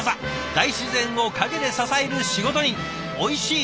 大自然を陰で支える仕事人おいしい